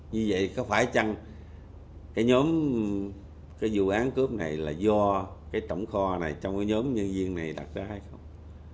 như vậy có phải chăng cái nhóm cái vụ án cướp này là do cái tổng kho này trong cái nhóm nhân viên này đặt ra hay không